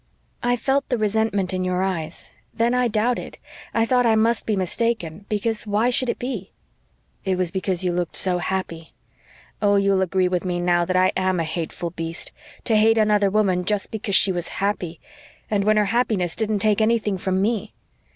"I felt the resentment in your eyes then I doubted I thought I must be mistaken because WHY should it be?" "It was because you looked so happy. Oh, you'll agree with me now that I AM a hateful beast to hate another woman just because she was happy, and when her happiness didn't take anything from me!